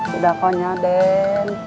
sudah kosnya den